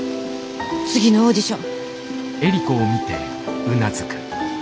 次のオーディション。